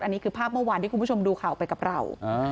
อันนี้คือภาพเมื่อวานที่คุณผู้ชมดูข่าวไปกับเรา